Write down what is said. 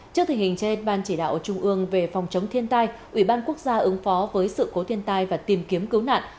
trước tình hình trên ban chỉ đạo trung ương về phòng chống thiên tai ủy ban quốc gia ứng phó với sự cố thiên tai và tìm kiếm cứu nạn